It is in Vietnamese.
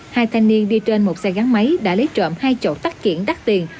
hai thanh niên đi trên một xe gắn máy đã lấy trợm hai chỗ tắt kiển đắt tiền